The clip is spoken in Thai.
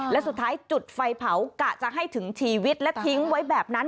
และสุดท้ายจุดไฟเผากะจะให้ถึงชีวิตและทิ้งไว้แบบนั้น